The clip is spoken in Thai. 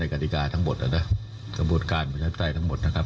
กระบวนการประชาติใต้ทั้งหมดนะครับ